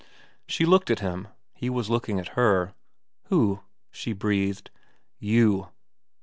She looked at him. He was looking at her. ' Who ?' she breathed. ' You.'